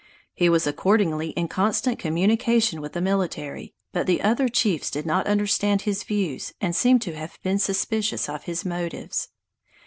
He was accordingly in constant communication with the military; but the other chiefs did not understand his views and seem to have been suspicious of his motives.